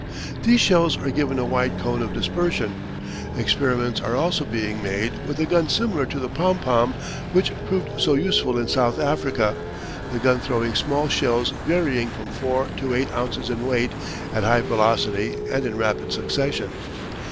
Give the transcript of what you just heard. These shells are given a wide cone of dispersion. Experiments are also being made with a gun similar to the pom pom which proved so useful in South Africa, the gun throwing small shells varying from four to eight ounces in weight at high velocity and in rapid succession.